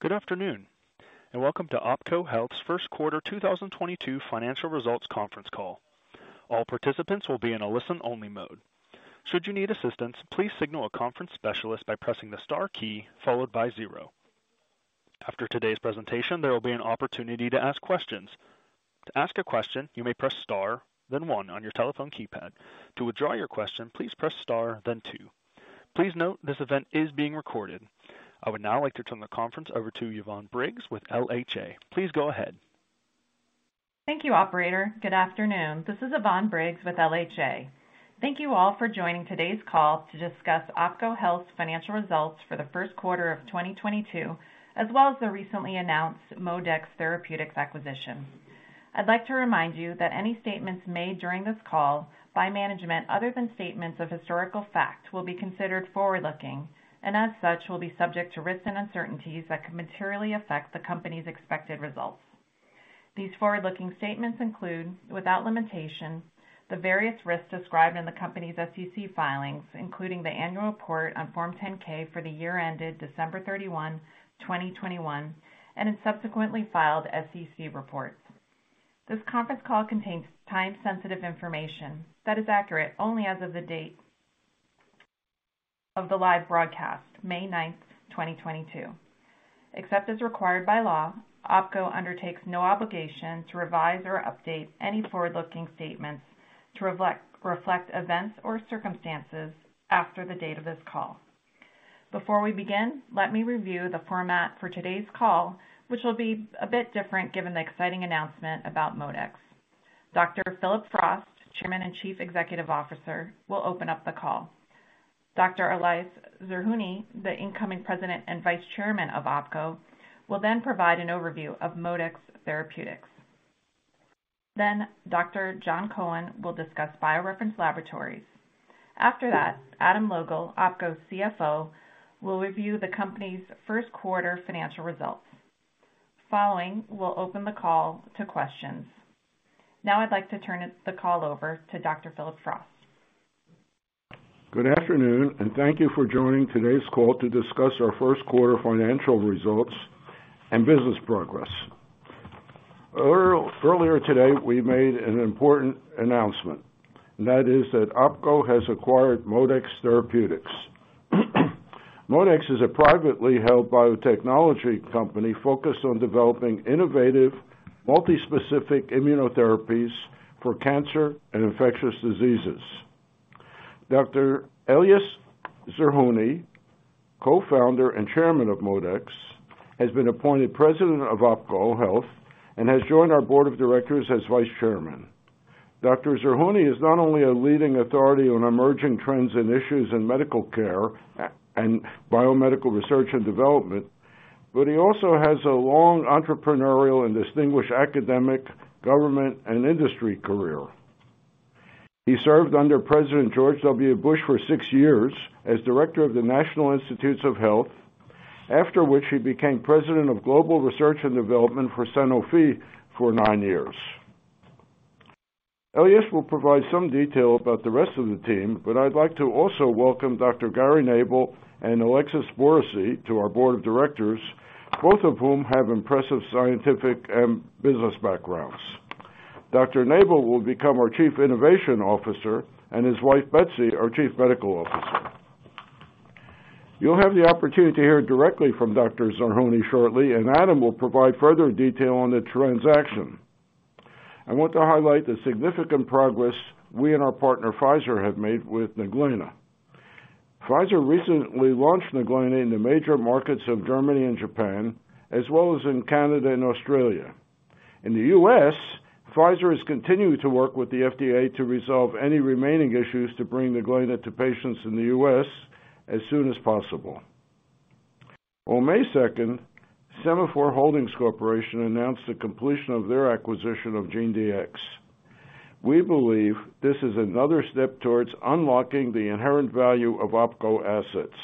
Good afternoon, and welcome to OPKO Health's first quarter 2022 financial results conference call. All participants will be in a listen-only mode. Should you need assistance, please signal a conference specialist by pressing the star key followed by zero. After today's presentation, there will be an opportunity to ask questions. To ask a question, you may press star, then one on your telephone keypad. To withdraw your question, please press star, then two. Please note, this event is being recorded. I would now like to turn the conference over to Yvonne Briggs with LHA. Please go ahead. Thank you, operator. Good afternoon. This is Yvonne Briggs with LHA. Thank you all for joining today's call to discuss OPKO Health's financial results for the first quarter of 2022, as well as the recently announced ModeX Therapeutics acquisition. I'd like to remind you that any statements made during this call by management, other than statements of historical fact, will be considered forward-looking and as such will be subject to risks and uncertainties that could materially affect the company's expected results. These forward-looking statements include, without limitation, the various risks described in the company's SEC filings, including the annual report on Form 10-K for the year ended December 31, 2021, and in subsequently filed SEC reports. This conference call contains time-sensitive information that is accurate only as of the date of the live broadcast, May 9, 2022. Except as required by law, OPKO undertakes no obligation to revise or update any forward-looking statements to reflect events or circumstances after the date of this call. Before we begin, let me review the format for today's call, which will be a bit different given the exciting announcement about ModeX. Dr. Philip Frost, Chairman and Chief Executive Officer, will open up the call. Dr. Elias Zerhouni, the incoming President and Vice Chairman of OPKO, will then provide an overview of ModeX Therapeutics. Then Dr. Jon Cohen will discuss BioReference Laboratories. After that, Adam Logal, OPKO's CFO, will review the company's first quarter financial results. Following, we'll open the call to questions. Now I'd like to turn the call over to Dr. Philip Frost. Good afternoon, and thank you for joining today's call to discuss our first quarter financial results and business progress. Earlier today, we made an important announcement, and that is that OPKO has acquired ModeX Therapeutics. ModeX is a privately held biotechnology company focused on developing innovative multi-specific immunotherapies for cancer and infectious diseases. Dr. Elias Zerhouni, Co-founder and Chairman of ModeX, has been appointed President of OPKO Health and has joined our board of directors as Vice Chairman. Dr. Zerhouni is not only a leading authority on emerging trends and issues in medical care and biomedical research and development, but he also has a long entrepreneurial and distinguished academic, government, and industry career. He served under President George W. Bush for six years as Director of the National Institutes of Health, after which he became President of Global Research and Development for Sanofi for nine years. Elias will provide some detail about the rest of the team, but I'd like to also welcome Dr. Gary Nabel and Alexis Borisy to our board of directors, both of whom have impressive scientific and business backgrounds. Dr. Nabel will become our Chief Innovation Officer, and his wife, Betsy, our Chief Medical Officer. You'll have the opportunity to hear directly from Dr. Zerhouni shortly, and Adam will provide further detail on the transaction. I want to highlight the significant progress we and our partner, Pfizer, have made with NGENLA. Pfizer recently launched NGENLA in the major markets of Germany and Japan, as well as in Canada and Australia. In the US, Pfizer has continued to work with the FDA to resolve any remaining issues to bring NGENLA to patients in the US as soon as possible. On May 2, Sema4 Holdings Corporation announced the completion of their acquisition of GeneDx. We believe this is another step towards unlocking the inherent value of OPKO assets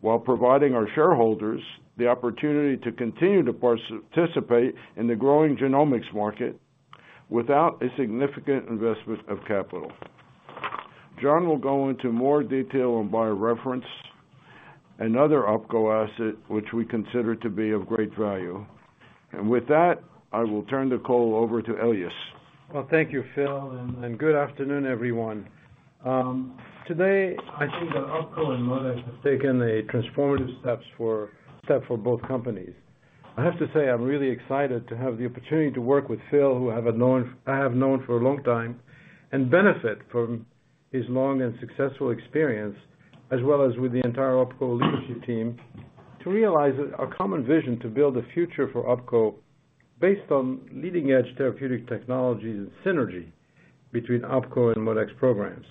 while providing our shareholders the opportunity to continue to participate in the growing genomics market without a significant investment of capital. John will go into more detail on BioReference, another OPKO asset which we consider to be of great value. With that, I will turn the call over to Elias. Well, thank you, Phil, and good afternoon, everyone. Today, I think that OPKO and ModeX have taken a transformative step for both companies. I have to say, I'm really excited to have the opportunity to work with Phil, who I have known for a long time, and benefit from his long and successful experience, as well as with the entire OPKO leadership team, to realize a common vision to build a future for OPKO based on leading-edge therapeutic technologies and synergy between OPKO and ModeX programs.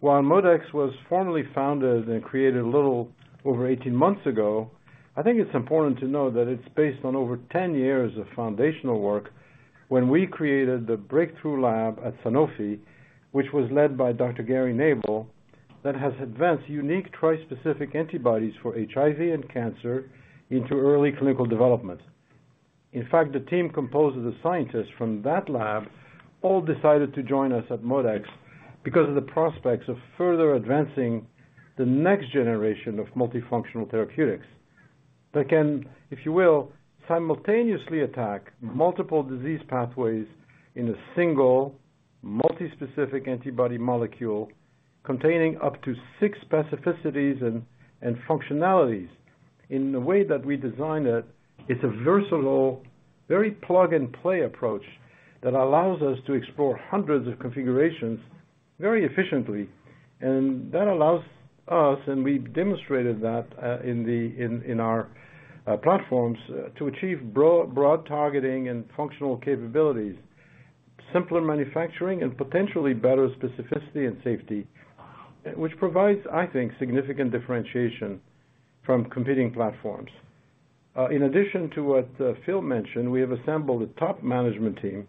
While ModeX was formally founded and created a little over 18 months ago, I think it's important to know that it's based on over 10 years of foundational work when we created the breakthrough lab at Sanofi, which was led by Dr. Gary Nabel, that has advanced unique trispecific antibodies for HIV and cancer into early clinical development. In fact, the team composed of the scientists from that lab all decided to join us at ModeX because of the prospects of further advancing the next generation of multifunctional therapeutics that can, if you will, simultaneously attack multiple disease pathways in a single multi-specific antibody molecule containing up to six specificities and functionalities. In the way that we design it's a versatile, very plug-and-play approach that allows us to explore hundreds of configurations very efficiently. That allows us, and we've demonstrated that, in our platforms, to achieve broad targeting and functional capabilities, simpler manufacturing, and potentially better specificity and safety, which provides, I think, significant differentiation from competing platforms. In addition to what Phil mentioned, we have assembled a top management team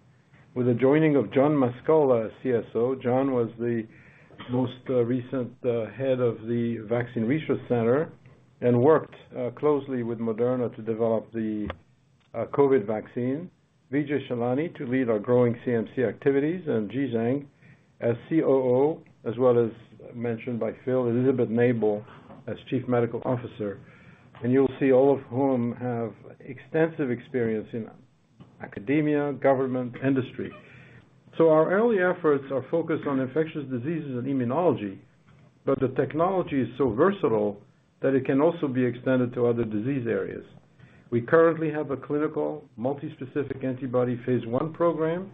with the joining of John Mascola, CSO, John was the most recent head of the vaccine research center and work closely with Madonna to develop the COVID vaccine, Vijay Shahlani to lead our growing CMC activities, and Ji Zhang as COO, as well as mentioned by Phil, Elizabeth Nabel as Chief Medical Officer, and you'll see all of whom have extensive experience in academia, government, industry. Our early efforts are focused on infectious diseases and immunology, but the technology is so versatile that it can also be extended to other disease areas. We currently have a clinical multi-specific antibody phase l program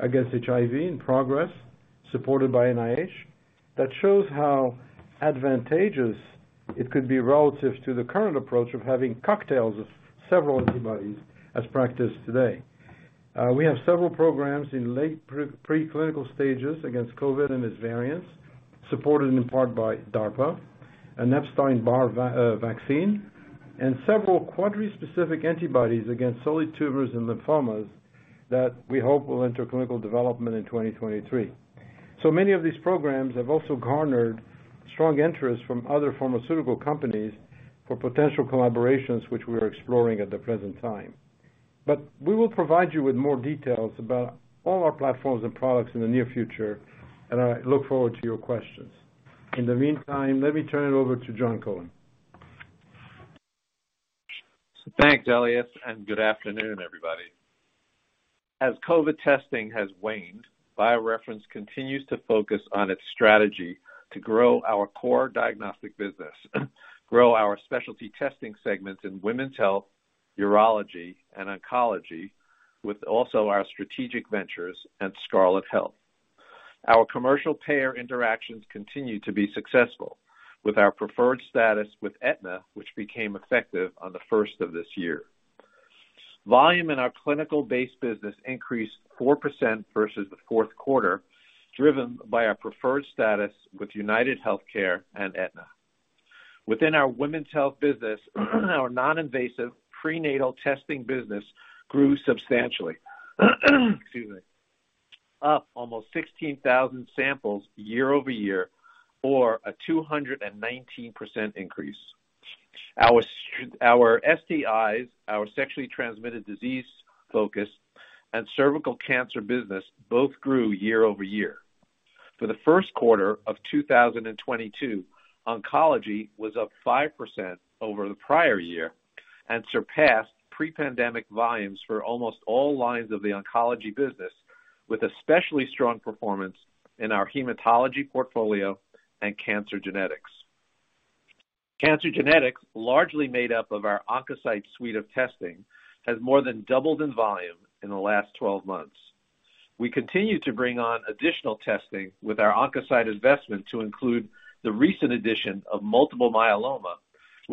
against HIV in progress, supported by NIH, that shows how advantageous it could be relative to the current approach of having cocktails of several antibodies as practiced today. We have several programs in late preclinical stages against COVID and its variants, supported in part by DARPA, an Epstein-Barr vaccine, and several quadrispecific antibodies against solid tumors and lymphomas that we hope will enter clinical development in 2023. Many of these programs have also garnered strong interest from other pharmaceutical companies for potential collaborations, which we're exploring at the present time. We will provide you with more details about all our platforms and products in the near future, and I look forward to your questions. In the meantime, let me turn it over to Jon Cohen. Thanks, Elias, and good afternoon, everybody. As COVID testing has waned, BioReference continues to focus on its strategy to grow our core diagnostic business, grow our specialty testing segments in women's health, urology, and oncology with also our strategic ventures and Scarlet Health. Our commercial payer interactions continue to be successful with our preferred status with Aetna, which became effective on the first of this year. Volume in our clinical base business increased 4% versus the fourth quarter, driven by our preferred status with UnitedHealthcare and Aetna. Within our women's health business, our non-invasive prenatal testing business grew substantially. Excuse me. Up almost 16,000 samples year-over-year or a 219% increase. Our STIs, our sexually transmitted disease focus, and cervical cancer business both grew year-over-year. For the first quarter of 2022, oncology was up 5% over the prior year and surpassed pre-pandemic volumes for almost all lines of the oncology business, with especially strong performance in our hematology portfolio and cancer genetics. Cancer genetics, largely made up of our OncoCyte suite of testing, has more than doubled in volume in the last 12 months. We continue to bring on additional testing with our OncoCyte investment to include the recent addition of multiple myeloma,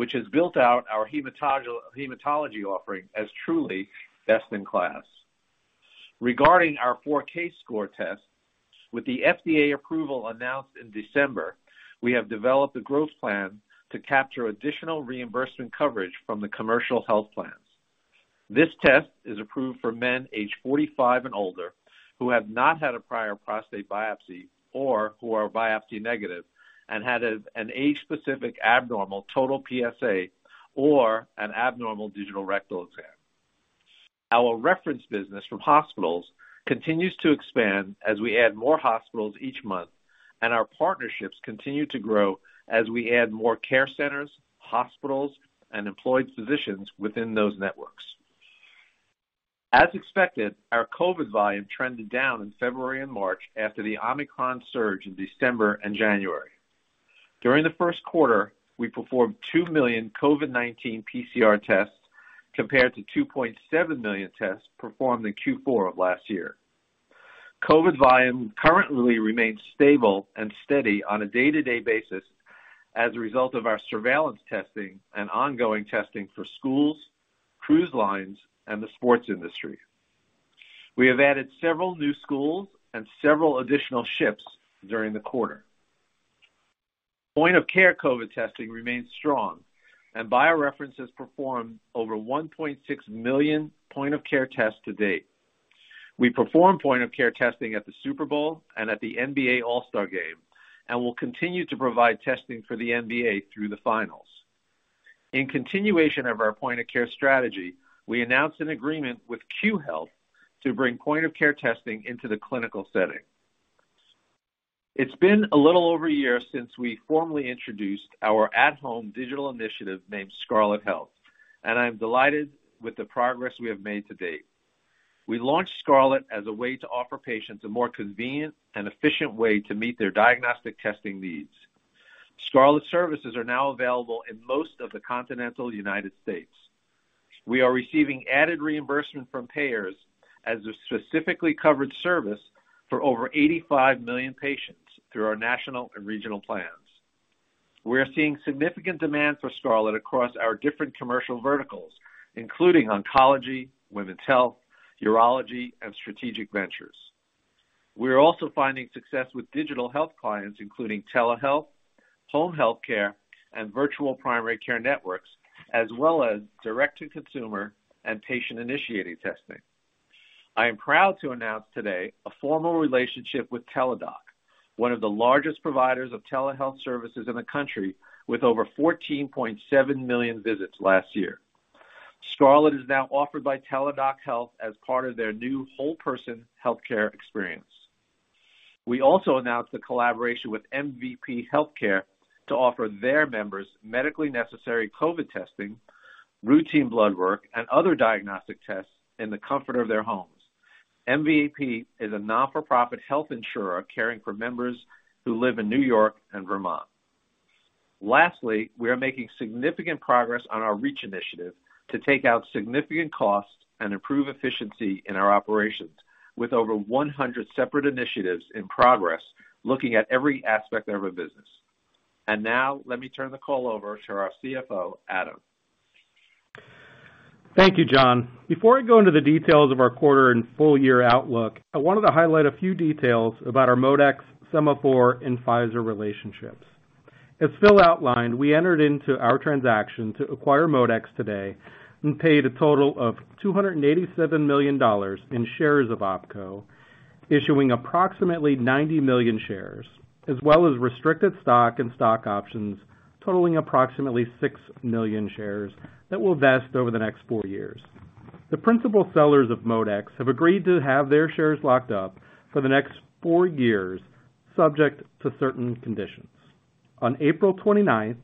which has built out our hematology offering as truly best in class. Regarding our 4Kscore test, with the FDA approval announced in December, we have developed a growth plan to capture additional reimbursement coverage from the commercial health plans. This test is approved for men age 45 and older who have not had a prior prostate biopsy or who are biopsy negative and had an age-specific abnormal total PSA or an abnormal digital rectal exam. Our reference business from hospitals continues to expand as we add more hospitals each month, and our partnerships continue to grow as we add more care centers, hospitals, and employed physicians within those networks. As expected, our COVID volume trended down in February and March after the Omicron surge in December and January. During the first quarter, we performed 2 million COVID-19 PCR tests compared to 2.7 million tests performed in Q4 of last year. COVID volume currently remains stable and steady on a day-to-day basis as a result of our surveillance testing and ongoing testing for schools, cruise lines, and the sports industry. We have added several new schools and several additional ships during the quarter. Point of care COVID testing remains strong, and BioReference has performed over 1.6 million point of care tests to date. We perform point of care testing at the Super Bowl and at the NBA All-Star game, and we'll continue to provide testing for the NBA through the finals. In continuation of our point of care strategy, we announced an agreement with Cue Health to bring point of care testing into the clinical setting. It's been a little over a year since we formally introduced our at-home digital initiative named Scarlet Health, and I'm delighted with the progress we have made to date. We launched Scarlet as a way to offer patients a more convenient and efficient way to meet their diagnostic testing needs. Scarlet services are now available in most of the continental United States. We are receiving added reimbursement from payers as a specifically covered service for over 85 million patients through our national and regional plans. We are seeing significant demand for Scarlet across our different commercial verticals, including oncology, women's health, urology, and strategic ventures. We are also finding success with digital health clients, including telehealth, home healthcare, and virtual primary care networks, as well as direct-to-consumer and patient-initiated testing. I am proud to announce today a formal relationship with Teladoc Health, one of the largest providers of telehealth services in the country, with over 14.7 million visits last year. Scarlet is now offered by Teladoc Health as part of their new whole person healthcare experience. We also announced a collaboration with MVP Health Care to offer their members medically necessary COVID testing, routine blood work, and other diagnostic tests in the comfort of their homes. MVP is a not-for-profit health insurer caring for members who live in New York and Vermont. Lastly, we are making significant progress on our REACH initiative to take out significant costs and improve efficiency in our operations with over 100 separate initiatives in progress looking at every aspect of our business. Now let me turn the call over to our CFO, Adam. Thank you, Jon. Before I go into the details of our quarter and full year outlook, I wanted to highlight a few details about our ModeX, Sema4, and Pfizer relationships. As Phil outlined, we entered into our transaction to acquire ModeX today and paid a total of $287 million in shares of OPKO, issuing approximately 90 million shares, as well as restricted stock and stock options totaling approximately 6 million shares that will vest over the next four years. The principal sellers of ModeX have agreed to have their shares locked up for the next four years, subject to certain conditions. On April 29,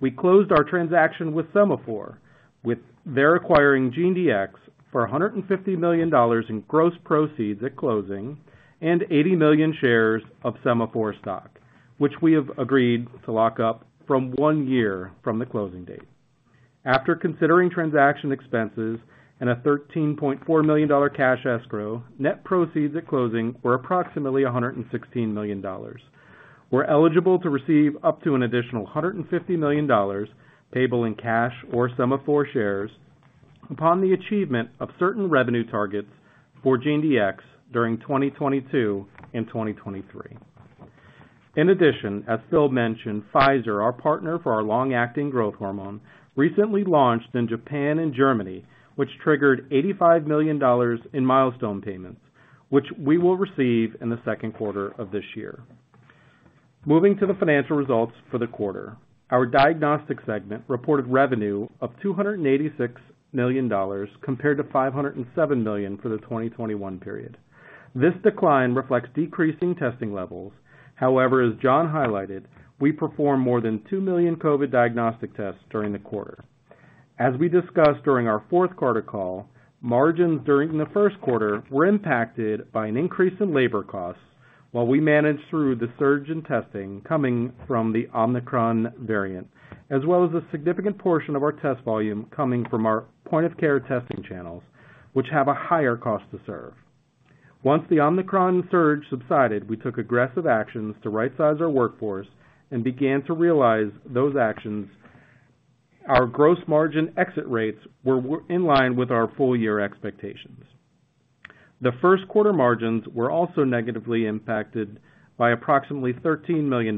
we closed our transaction with Sema4, with their acquiring GeneDx for $150 million in gross proceeds at closing and 80 million shares of Sema4 stock, which we have agreed to lock up for one year from the closing date. After considering transaction expenses and a $13.4 million cash escrow, net proceeds at closing were approximately $116 million. We're eligible to receive up to an additional $150 million payable in cash or Sema4 shares upon the achievement of certain revenue targets for GeneDx during 2022 and 2023. In addition, as Phil mentioned, Pfizer, our partner for our long-acting growth hormone, recently launched in Japan and Germany, which triggered $85 million in milestone payments, which we will receive in the second quarter of this year. Moving to the financial results for the quarter. Our diagnostic segment reported revenue of $286 million compared to $507 million for the 2021 period. This decline reflects decreasing testing levels. However, as John highlighted, we performed more than 2 million COVID diagnostic tests during the quarter. As we discussed during our fourth quarter call, margins during the first quarter were impacted by an increase in labor costs while we managed through the surge in testing coming from the Omicron variant, as well as a significant portion of our test volume coming from our point-of-care testing channels, which have a higher cost to serve. Once the Omicron surge subsided, we took aggressive actions to right-size our workforce and began to realize those actions. Our gross margin exit rates were in line with our full-year expectations. The first quarter margins were also negatively impacted by approximately $13 million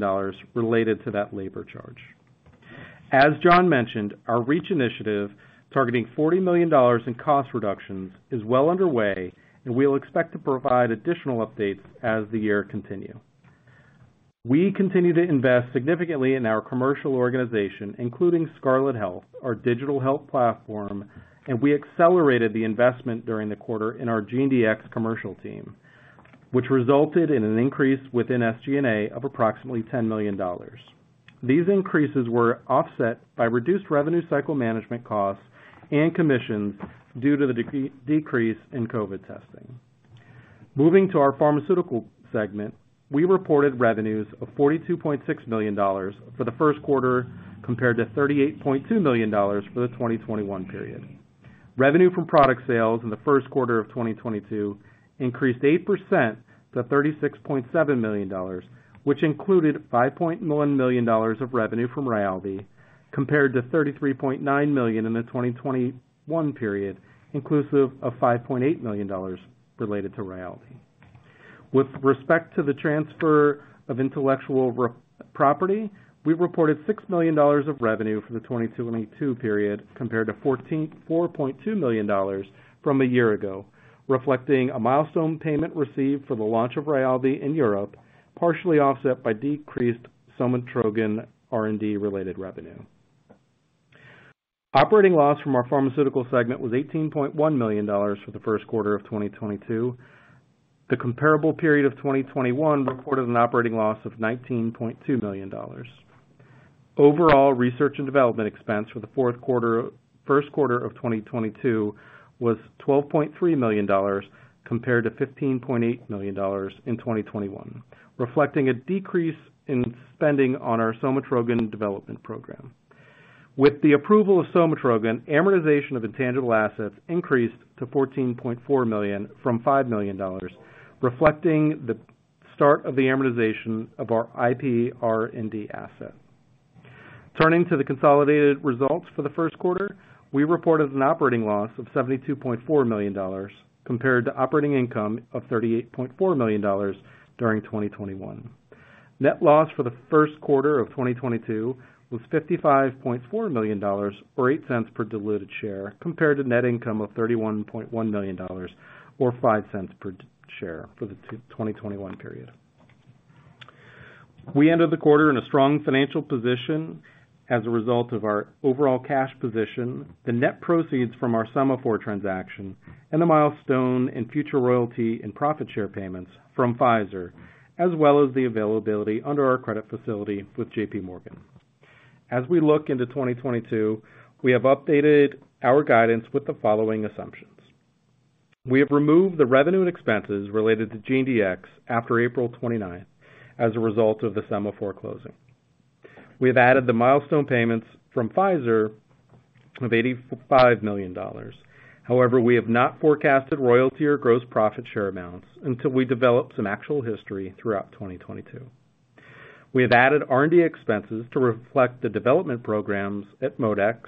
related to that labor charge. As John mentioned, our REACH initiative, targeting $40 million in cost reductions, is well underway, and we'll expect to provide additional updates as the year continue. We continue to invest significantly in our commercial organization, including Scarlet Health, our digital health platform, and we accelerated the investment during the quarter in our GeneDx commercial team, which resulted in an increase within SG&A of approximately $10 million. These increases were offset by reduced revenue cycle management costs and commissions due to the decrease in COVID testing. Moving to our pharmaceutical segment. We reported revenues of $42.6 million for the first quarter compared to $38.2 million for the 2021 period. Revenue from product sales in the first quarter of 2022 increased 8% to $36.7 million, which included $5.1 million of revenue from Rayaldee compared to $33.9 million in the 2021 period, inclusive of $5.8 million related to Rayaldee. With respect to the transfer of intellectual property, we reported $6 million of revenue for the 2022 Q1 period compared to $4.2 million from a year ago, reflecting a milestone payment received for the launch of Rayaldee in Europe, partially offset by decreased Somatrogon R&D related revenue. Operating loss from our pharmaceutical segment was $18.1 million for the first quarter of 2022. The comparable period of 2021 reported an operating loss of $19.2 million. Overall, research and development expense for the first quarter of 2022 was $12.3 million compared to $15.8 million in 2021, reflecting a decrease in spending on our Somatrogon development program. With the approval of Somatrogon, amortization of intangible assets increased to $14.4 million from $5 million, reflecting the start of the amortization of our IP R&D asset. Turning to the consolidated results for the first quarter, we reported an operating loss of $72.4 million compared to operating income of $38.4 million during 2021. Net loss for the first quarter of 2022 was $55.4 million or $0.08 per diluted share compared to net income of $31.1 million or $0.05 per share for the 2021 period. We ended the quarter in a strong financial position as a result of our overall cash position, the net proceeds from our Sema4 transaction, and the milestone in future royalty and profit share payments from Pfizer, as well as the availability under our credit facility with JPMorgan. As we look into 2022, we have updated our guidance with the following assumptions. We have removed the revenue and expenses related to GeneDx after April 29 as a result of the Sema4 closing. We have added the milestone payments from Pfizer of $85 million. However, we have not forecasted royalty or gross profit share amounts until we develop some actual history throughout 2022. We have added R&D expenses to reflect the development programs at ModeX.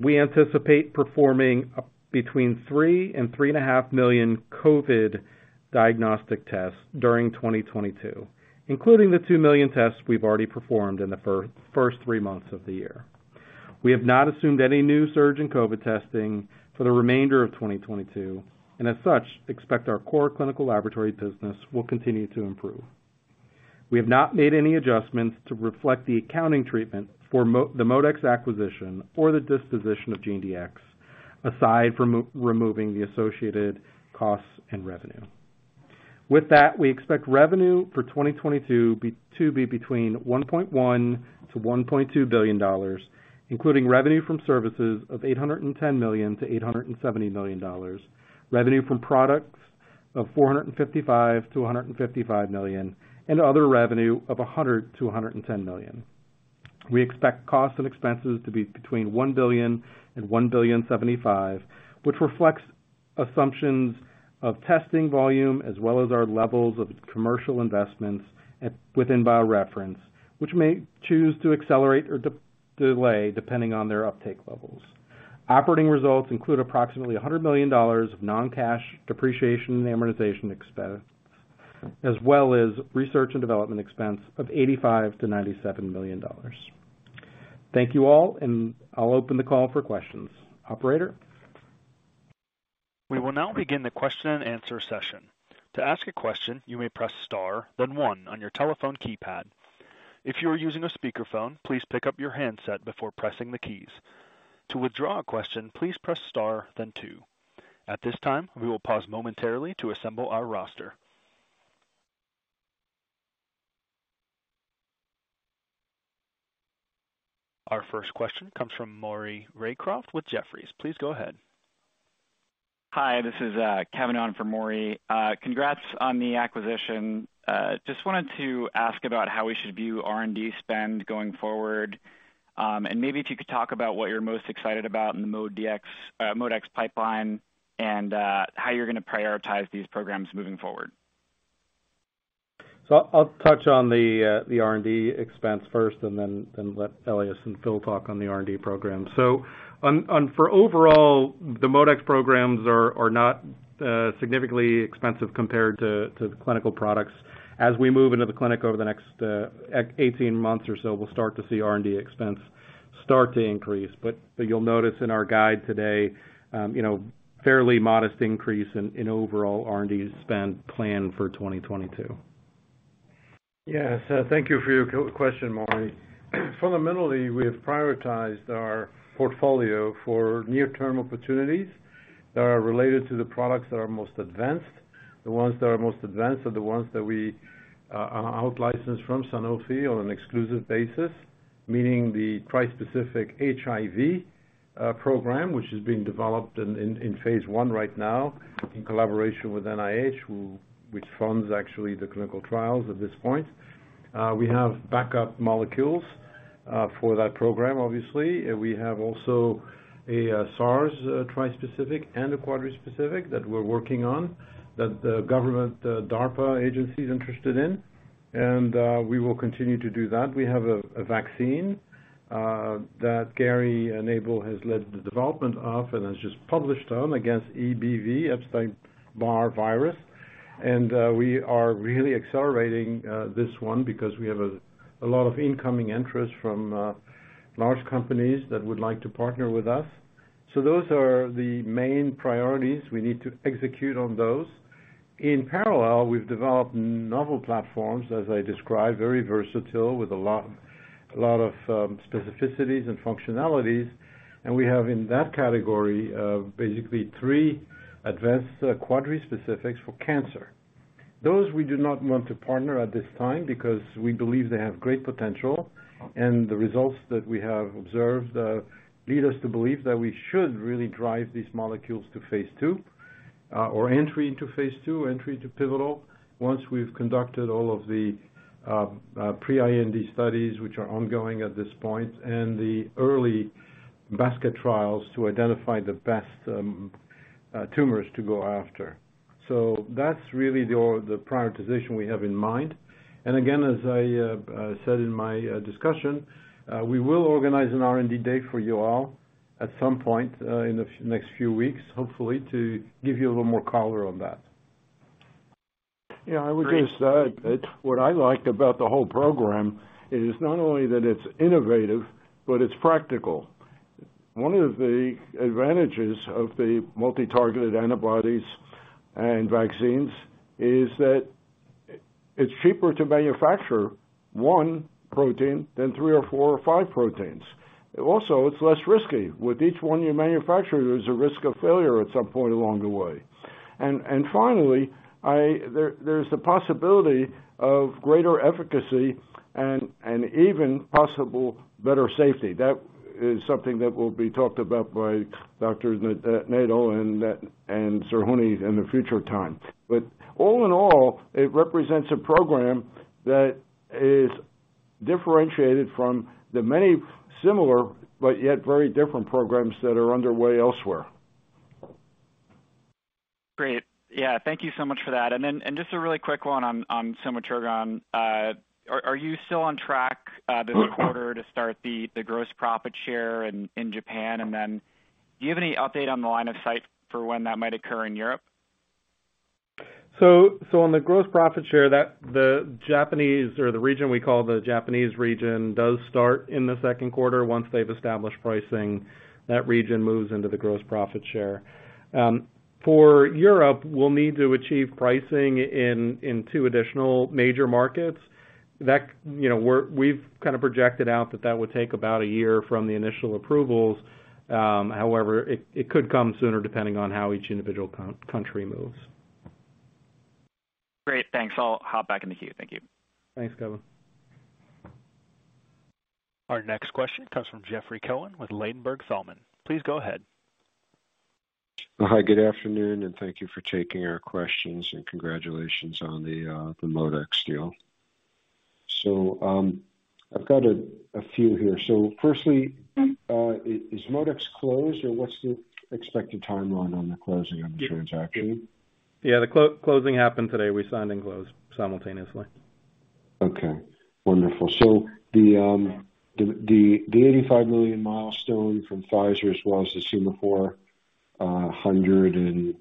We anticipate performing between 3 and 3.5 million COVID diagnostic tests during 2022, including the 2 million tests we've already performed in the first three months of the year. We have not assumed any new surge in COVID testing for the remainder of 2022, and as such, expect our core clinical laboratory business will continue to improve. We have not made any adjustments to reflect the accounting treatment for the ModeX acquisition or the disposition of GeneDx, aside from removing the associated costs and revenue. With that, we expect revenue for 2022 to be between $1.1 billion-$1.2 billion, including revenue from services of $810 million-$870 million, revenue from products of $455 million-$555 million, and other revenue of $100 million-$110 million. We expect costs and expenses to be between $1 billion-$1.075 billion, which reflects assumptions of testing volume as well as our levels of commercial investments within BioReference, which may choose to accelerate or delay depending on their uptake levels. Operating results include approximately $100 million of non-cash depreciation and amortization as well as R&D expense of $85 million-$97 million. Thank you all, and I'll open the call for questions. Operator? We will now begin the question and answer session. To ask a question, you may press star, then one on your telephone keypad. If you are using a speakerphone, please pick up your handset before pressing the keys. To withdraw a question, please press star then two. At this time, we will pause momentarily to assemble our roster. Our first question comes from Maury Raycroft with Jefferies. Please go ahead. Hi, this is Kevin on for Maury. Congrats on the acquisition. Just wanted to ask about how we should view R&D spend going forward. Maybe if you could talk about what you're most excited about in the ModeX pipeline and how you're gonna prioritize these programs moving forward. I'll touch on the R&D expense first and then let Elias and Phil talk on the R&D program. On overall, the ModeX programs are not significantly expensive compared to the clinical products. As we move into the clinic over the next 18 months or so, we'll start to see R&D expense start to increase. You'll notice in our guide today, you know, fairly modest increase in overall R&D spend plan for 2022. Yes. Thank you for your question, Maury. Fundamentally, we have prioritized our portfolio for near-term opportunities that are related to the products that are most advanced. The ones that are most advanced are the ones that we out licensed from Sanofi on an exclusive basis, meaning the trispecific HIV program, which is being developed in phase l right now in collaboration with NIH, which funds actually the clinical trials at this point. We have backup molecules for that program, obviously. We have also a SARS trispecific and a quadraspecific that we're working on that the government DARPA agency is interested in. We will continue to do that. We have a vaccine that Gary Nabel has led the development of and has just published on against EBV, Epstein-Barr virus. We are really accelerating this one because we have a lot of incoming interest from large companies that would like to partner with us. Those are the main priorities. We need to execute on those. In parallel, we've developed novel platforms, as I described, very versatile with a lot of specificities and functionalities. We have, in that category, basically three advanced quadrispecifics for cancer. Those we do not want to partner at this time because we believe they have great potential, and the results that we have observed lead us to believe that we should really drive these molecules to phase ll, or entry into phase two, entry to pivotal, once we've conducted all of the pre-IND studies, which are ongoing at this point, and the early basket trials to identify the best tumors to go after. That's really the prioritization we have in mind. Again, as I said in my discussion, we will organize an R&D Day for you all at some point in the next few weeks, hopefully, to give you a little more color on that. Yeah, I would just add that what I like about the whole program is not only that it's innovative, but it's practical. One of the advantages of the multi-targeted antibodies and vaccines is that it's cheaper to manufacture one protein than three or four or five proteins. Also, it's less risky. With each one you manufacture, there's a risk of failure at some point along the way. Finally, there's the possibility of greater efficacy and even possible better safety. That is something that will be talked about by Doctors Nabel and Zerhouni in a future time. All in all, it represents a program that is differentiated from the many similar but yet very different programs that are underway elsewhere. Great. Yeah, thank you so much for that. Just a really quick one on somatrogon. Are you still on track this quarter to start the gross profit share in Japan? Do you have any update on the line of sight for when that might occur in Europe? On the gross profit share, that the Japanese or the region we call the Japanese region, does start in the second quarter. Once they've established pricing, that region moves into the gross profit share. For Europe, we'll need to achieve pricing in two additional major markets. That, you know, we've kind of projected out that would take about a year from the initial approvals. However, it could come sooner depending on how each individual country moves. Great. Thanks. I'll hop back in the queue. Thank you. Thanks, Kevin. Our next question comes from Jeffrey Cohen with Ladenburg Thalmann. Please go ahead. Hi, good afternoon, and thank you for taking our questions, and congratulations on the ModeX deal. I've got a few here. Firstly, is ModeX closed or what's the expected timeline on the closing of the transaction? Yeah, the closing happened today. We signed and closed simultaneously. Okay, wonderful. The $85 million milestone from Pfizer, as well as the Sema4 $108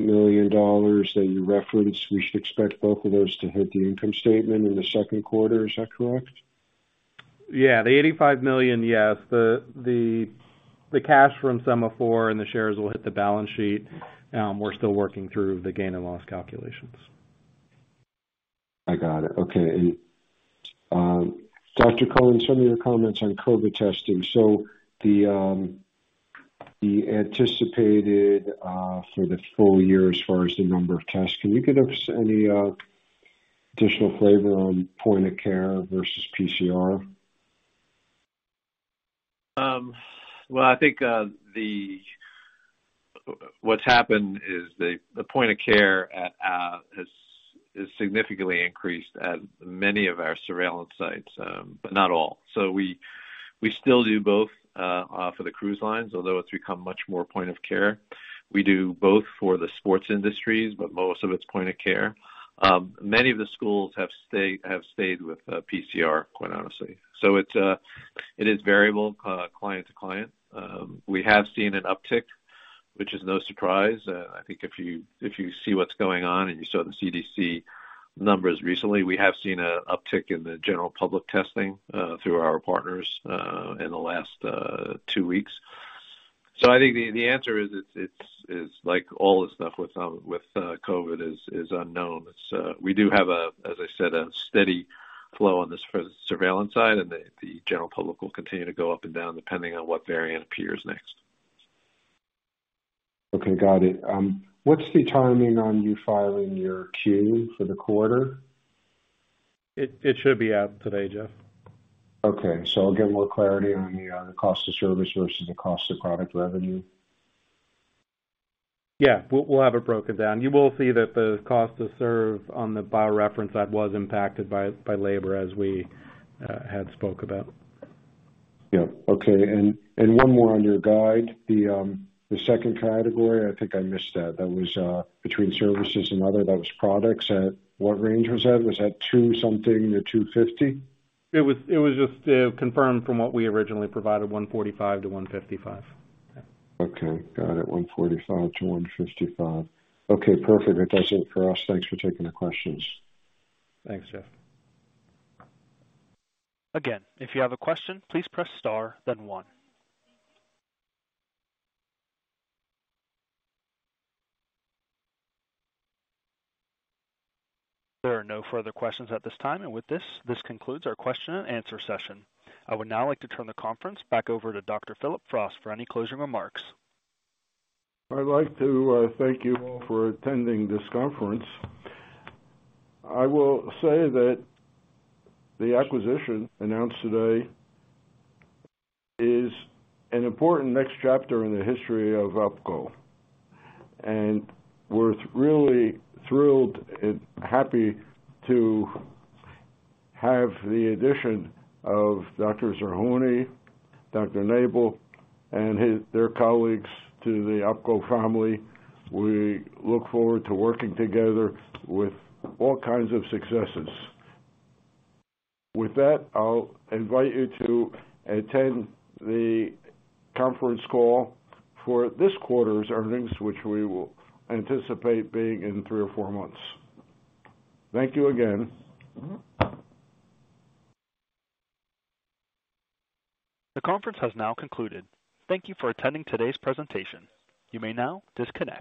million that you referenced, we should expect both of those to hit the income statement in the second quarter. Is that correct? Yeah. The $85 million, yes. The cash from Sema4 and the shares will hit the balance sheet. We're still working through the gain and loss calculations. I got it. Okay. Dr. Cohen, some of your comments on COVID testing. The anticipated for the full year as far as the number of tests, can you give us any additional flavor on point of care versus PCR? Well, I think what's happened is the point of care has significantly increased at many of our surveillance sites, but not all. We still do both for the cruise lines, although it's become much more point of care. We do both for the sports industries, but most of it's point of care. Many of the schools have stayed with PCR, quite honestly. It is variable, client to client. We have seen an uptick, which is no surprise. I think if you see what's going on and you saw the CDC numbers recently, we have seen an uptick in the general public testing through our partners in the last two weeks. I think the answer is it's like all the stuff with COVID is unknown. We do have, as I said, a steady flow on the surveillance side, and the general public will continue to go up and down depending on what variant appears next. Okay. Got it. What's the timing on you filing your Q for the quarter? It should be out today, Jeff. Okay. It'll give more clarity on the cost of service versus the cost of product revenue. Yeah. We'll have it broken down. You will see that the cost to serve on the BioReference side was impacted by labor as we had spoke about. Yeah. Okay. One more on your guide. The second category, I think I missed that. That was between services and other, that was products. At what range was that? Was that $2-something-$250? It was just confirmed from what we originally provided, $145-$155. Okay. Got it. 1:45 to 1:55. Okay, perfect. That does it for us. Thanks for taking the questions. Thanks, Jeff. Again, if you have a question, please press star then one. There are no further questions at this time. With this concludes our question and answer session. I would now like to turn the conference back over to Dr. Philip Frost for any closing remarks. I'd like to thank you all for attending this conference. I will say that the acquisition announced today is an important next chapter in the history of OPKO. We're really thrilled and happy to have the addition of Dr. Zerhouni, Dr. Nabel, and their colleagues to the OPKO family. We look forward to working together with all kinds of successes. With that, I'll invite you to attend the conference call for this quarter's earnings, which we will anticipate being in three or four months. Thank you again. The conference has now concluded. Thank you for attending today's presentation. You may now disconnect.